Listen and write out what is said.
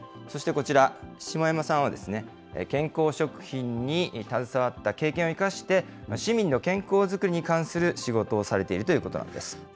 そしてこちら、下山さんは、健康食品に携わった経験を生かして、市民の健康作りに関する仕事をされているということなんです。